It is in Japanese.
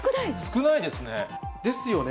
少ないですね。ですよね。